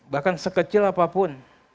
bahkan sekecil apapun